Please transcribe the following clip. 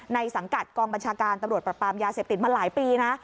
สังกัดกองบัญชาการตำรวจปรับปรามยาเสพติดมาหลายปีนะ